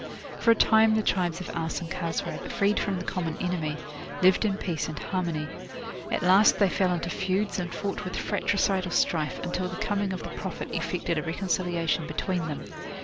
For a time the tribes of Aus and Khazraj, freed from the common enemy, lived in peace and harmony. At last they fell into feuds and fought with fratricidal strife, until the coming of the Prophet effected a reconciliation between them.